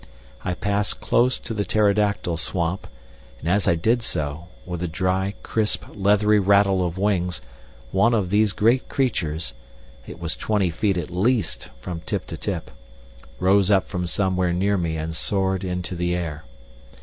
I passed close to the pterodactyl swamp, and as I did so, with a dry, crisp, leathery rattle of wings, one of these great creatures it was twenty feet at least from tip to tip rose up from somewhere near me and soared into the air.